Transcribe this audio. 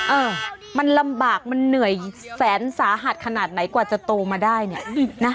เออมันลำบากมันเหนื่อยแสนสาหัสขนาดไหนกว่าจะโตมาได้เนี่ยนะคะ